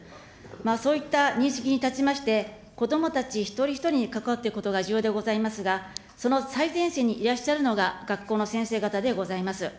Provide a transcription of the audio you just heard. そういった認識に立ちまして、子どもたち一人一人に関わっていくことが重要でございますが、その最前線にいらっしゃるのが学校の先生方でございます。